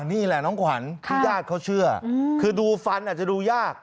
นี่แหละน้องขวัญที่ญาติเขาเชื่อคือดูฟันอาจจะดูยาก